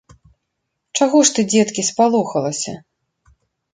Чаго ж, ты, дзеткі, спалохалася?